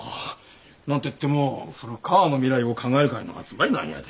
何てっても「古川の未来を考える会」の集まりなんやで。